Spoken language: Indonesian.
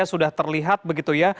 sudah terlihat begitu ya